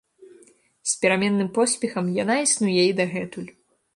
З пераменным поспехам яна існуе і дагэтуль.